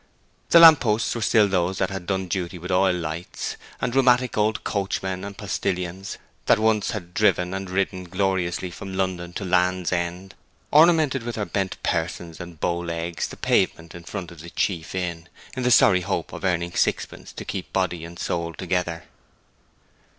The lamp posts were still those that had done duty with oil lights; and rheumatic old coachmen and postilions, that once had driven and ridden gloriously from London to Land's End, ornamented with their bent persons and bow legs the pavement in front of the chief inn, in the sorry hope of earning sixpence to keep body and soul together.